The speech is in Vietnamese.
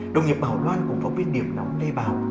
đồng nghiệp bảo loan cùng phóng viên điểm nóng lê bảo